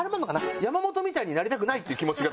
山本みたいになりたくないっていう気持ちがどっかで。